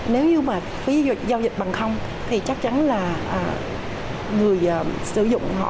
nếu như mà giao dịch bằng không thì chắc chắn là người sử dụng họ